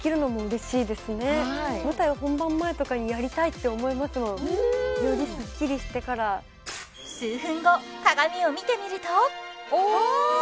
舞台本番前とかにやりたいって思いますもんよりスッキリしてから数分後鏡を見てみるとお！